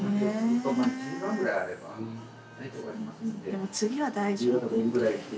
でも次は大丈夫よ。